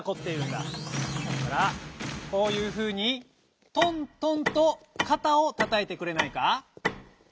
だからこういうふうに「とんとん」とかたをたたいてくれないか？